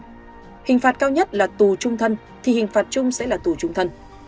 nếu hình phạt cao nhất là tù trung thân thì hình phạt trung sẽ là tù trung thân